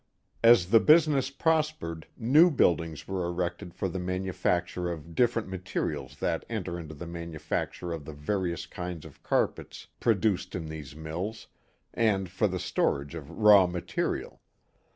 As the business prospered, new buildings were erected for the manufacture of different materials that enter into the manufacture of the various kinds of carpets produced in these mills, and for the storage of raw material.